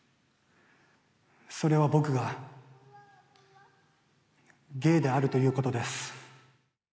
それは僕がゲイであるということです。